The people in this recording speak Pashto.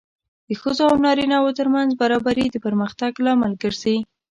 د ښځو او نارینه وو ترمنځ برابري د پرمختګ لامل ګرځي.